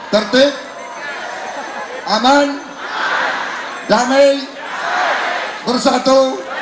tertib aman damai bersatu